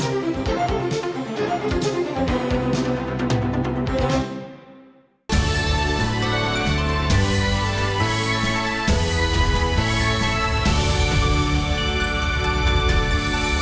hẹn gặp lại